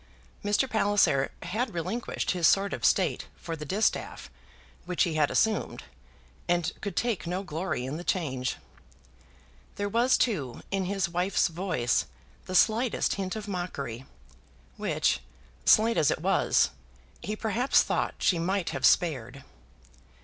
Mr. Palliser had relinquished his sword of state for the distaff which he had assumed, and could take no glory in the change. There was, too, in his wife's voice the slightest hint of mockery, which, slight as it was, he perhaps thought she might have spared.